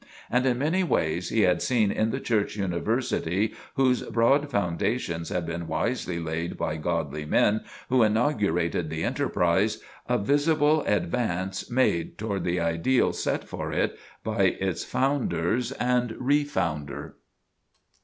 And in many ways he had seen in the Church University, whose broad foundations had been wisely laid by godly men who inaugurated the enterprise, a visible advance made toward the ideals set for it by its founders and re founder.